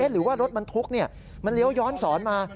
หรือว่ารถบรรทุกมันเลี้ยวย้อนสอนมา